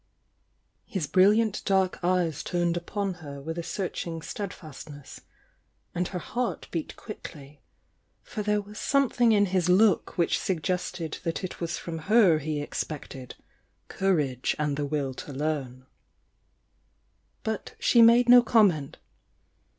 ,,.,. His brilliant dark eyes turned upon her with a searching steadfastness, and her heart beat quickly for there was something in his look which suggested that it was from her he expected "courage and the will to learn." But she made no comment.